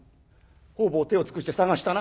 方々手を尽くして捜したな？